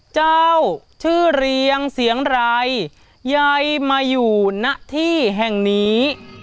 เจ้าชื่อเรียงเสียงไรยายมาอยู่ณที่แห่งนี้